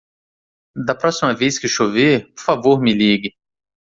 Da próxima vez que chover, por favor me ligue.